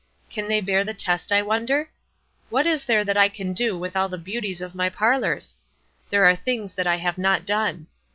Can they bear the test, I wonder? What is there that I can do with all the beauties of my parlors? There are things that I have not done.